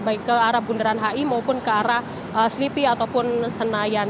baik ke arah bundaran hi maupun ke arah selipi ataupun senayan